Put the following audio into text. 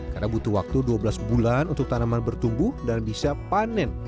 karena butuh waktu dua belas bulan untuk tanaman bertumbuh dan bisa panen